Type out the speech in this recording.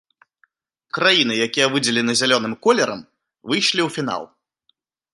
Краіны, якія выдзелены зялёным колерам, выйшлі ў фінал.